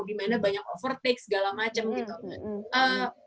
gimana banyak overtake segala macem gitu